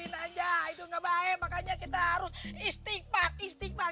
bikin aja itu gak baik makanya kita harus istikbar istikbar